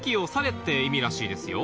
って意味らしいですよ